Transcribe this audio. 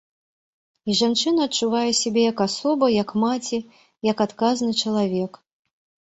І жанчына адчувае сябе як асоба, як маці, як адказны чалавек.